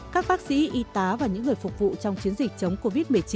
các bác sĩ y tá và những người phục vụ trong chiến dịch chống covid một mươi chín